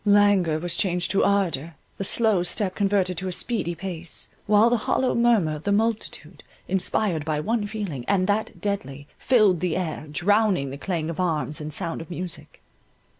Languor was changed to ardour, the slow step converted to a speedy pace, while the hollow murmur of the multitude, inspired by one feeling, and that deadly, filled the air, drowning the clang of arms and sound of music.